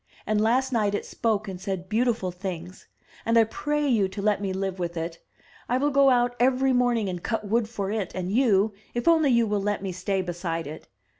And last night it spoke and said beautiful things. And I pray you to let me live with it. I will go out every morning and cut wood for it and you, if only you will let me stay beside it.